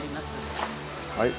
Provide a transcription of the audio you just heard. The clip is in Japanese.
はい。